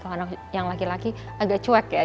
anak yang laki laki agak cuek ya